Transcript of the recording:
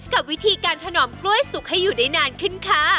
กับวิธีการถนอมกล้วยสุกให้อยู่ได้นานขึ้นค่ะ